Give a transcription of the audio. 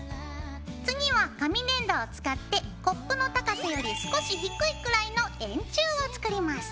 次は紙粘土を使ってコップの高さより少し低いくらいの円柱を作ります。